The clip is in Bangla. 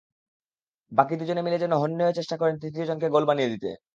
বাকি দুজন মিলে যেন হন্যে হয়ে চেষ্টা করেন তৃতীয়জনকে গোল বানিয়ে দিতে।